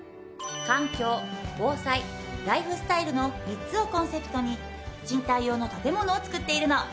環境防災ライフスタイルの３つをコンセプトに賃貸用の建物を造っているの！